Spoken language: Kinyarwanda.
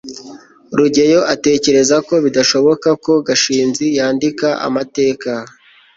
rugeyo atekereza ko bidashoboka ko gashinzi yandika amateka